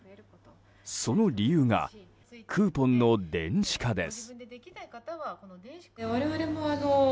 その理由がクーポンの電子化です。